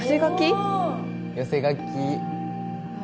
寄せ書きあ